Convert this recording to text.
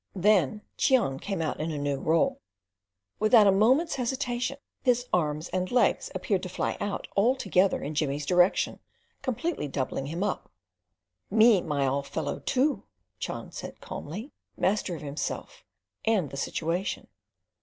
Then Cheon came out in a new role. Without a moment's hesitation his arms and legs appeared to fly out all together in Jimmy's direction, completely doubling him up. "Me myall fellow, too," Cheon said calmly, master of himself and the situation.